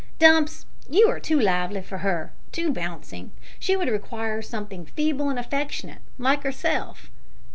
Dumps, you are too lively for her, too bouncing. She would require something feeble and affectionate, like herself.